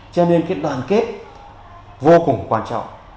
cho nên đoàn kết vô cùng quan trọng